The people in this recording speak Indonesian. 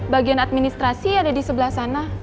bagian administrasi ada di sebelah sana